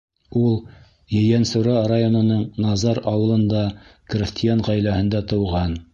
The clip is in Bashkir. Ул Ейәнсура районының Назар ауылында крәҫтиән ғаиләһендә тыуған.